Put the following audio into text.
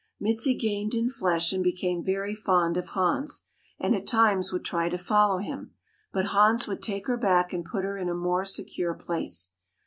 Mizi gained in flesh and became very fond of Hans, and at times would try to follow him, but Hans would take her back and put her in a more secure place.